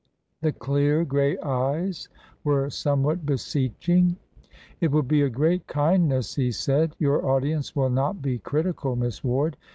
The clear grey eyes were somewhat beseeching. "It will be a great kindness," he said. "Your audience will not be critical, Miss Ward.